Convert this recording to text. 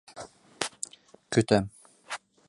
Көтәм!